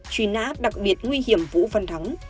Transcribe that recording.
truy nã đặc biệt nguy hiểm vũ văn thắng